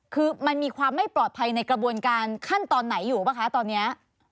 คือมันมีความไม่ปลอดภัยในกระบวนการขั้นตอนไหนอยู่ป่ะคะตอนนี้